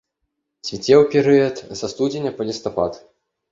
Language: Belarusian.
Цвіце ў перыяд са студзеня па лістапад.